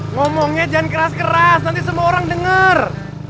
ngomongnya jangan keras keras nanti semua orang dengar